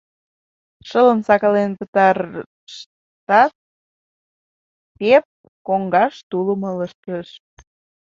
Шылым сакален пытарыштат, Пеэп коҥгаш тулым ылыжтыш.